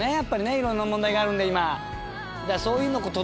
いろんな問題があるんで今。